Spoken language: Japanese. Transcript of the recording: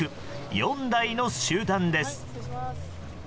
４台の集団です。